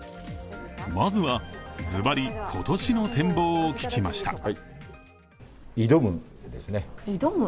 まずは、ずばり今年の展望を聞きました。